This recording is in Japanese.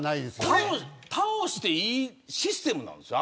あれは倒していいシステムなんですよ。